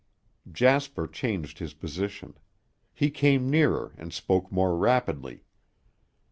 Jasper changed his position. He came nearer and spoke more rapidly.